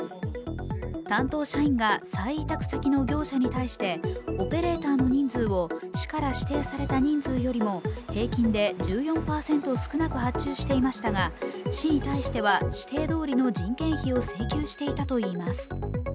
担当社員が再委託先の業者に対してオペレーターの人数を市から指定された人数よりも平均で１４％少なく発注していましたが市に対しては指定通りの人件費を請求していたといいます。